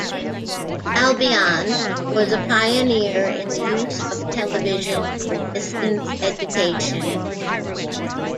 Albion was a pioneer in the use of television for distance education.